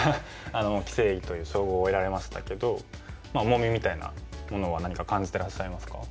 棋聖という称号を得られましたけど重みみたいなものは何か感じてらっしゃいますか？